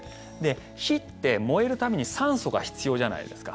火って、燃えるために酸素が必要じゃないですか。